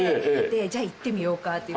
じゃあ行ってみようかっていう事で。